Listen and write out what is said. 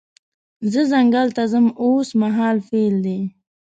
زه ځنګل ته ځم اوس مهال فعل دی.